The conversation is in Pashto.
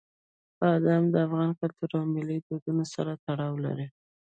بادام د افغان کلتور او ملي دودونو سره تړاو لري.